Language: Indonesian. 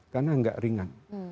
karena tidak ringan